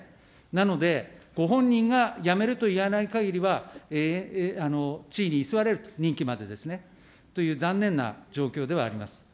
なので、ご本人が辞めると言わないかぎりは、地位に居座れると、任期までですね、という残念な状況ではあります。